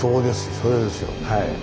それですよ。